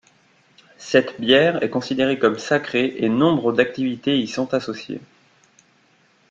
Cette bière est considérée comme sacrée et nombre d'activités y sont associées.